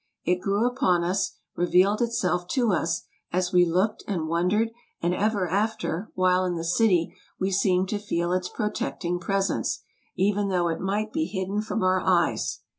It grew upon us, revealed itself to us, as we looked and wondered, and ever after, while in the city, we seemed to feel its' protecting presence, even though it might be hidden from our eyes.